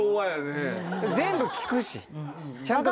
全部聞くし。